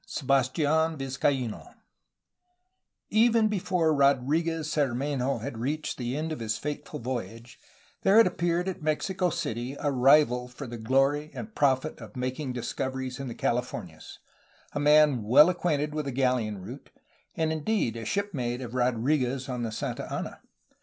</,! CHAPTER XI SEBASTIAN VIZCAINO Even before Rodriguez Cermenho had reached the end of his fateful voyage, there had appeared at Mexico City a rival for the glory and profit of making discoveries in the Calif ornias, a man well acquainted with the galleon route and indeed a shipmate of Rodriguez on the Santa Ana.